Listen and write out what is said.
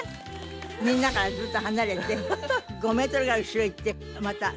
みんなからずっと離れて５メートルぐらい後ろ行ってまた